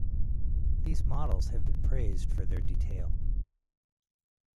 These models have been praised for their detail.